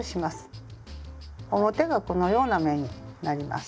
表がこのような目になります。